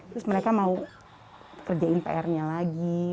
terus mereka mau kerjain pr nya lagi